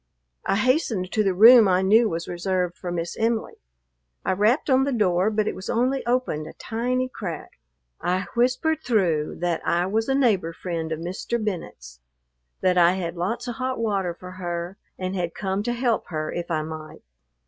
I hastened to the room I knew was reserved for Miss Em'ly. I rapped on the door, but it was only opened a tiny crack. I whispered through that I was a neighbor friend of Mr. Bennet's, that I had lots of hot water for her and had come to help her if I might.